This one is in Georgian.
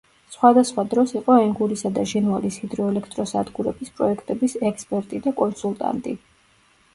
სხვადასხვა დროს იყო ენგურისა და ჟინვალის ჰიდროელექტროსადგურების პროექტების ექსპერტი და კონსულტანტი.